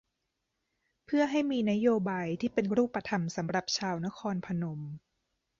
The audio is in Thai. เพื่อให้มีนโยบายที่เป็นรูปธรรมสำหรับชาวนครพนม